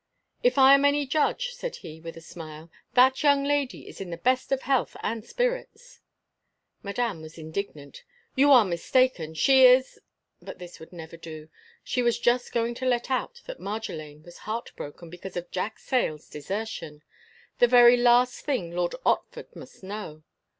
"If I am any judge," said he, with a smile, "that young lady is in the best of health and spirits." Madame was indignant. "You are mistaken. She is—" but this would never do; she was just going to let out that Marjolaine was heart broken because of Jack Sayle's desertion: the very last thing Lord Otford must know.